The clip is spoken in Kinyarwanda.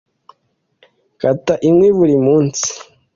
Nkata inkwi buri munsi.